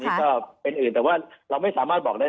นี่ก็เป็นอื่นแต่ว่าเราไม่สามารถบอกได้